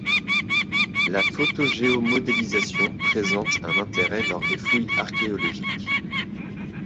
La photogéomodélisation présente un intérêt lors des fouilles archéologiques.